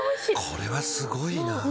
これはすごいな。